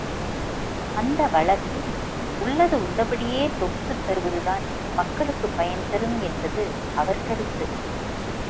அந்த வழக்கை உள்ளது உள்ளபடியே தொகுத்துத் தருவது தான் மக்களுக்குப் பயன் தரும் என்பது அவர் கருத்து.